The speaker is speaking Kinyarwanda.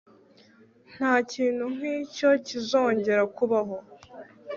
Ntakintu nkicyo kizongera kubaho